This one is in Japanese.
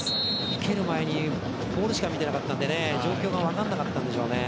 受ける前にボールしか見てなかったので状況が分からなかったね。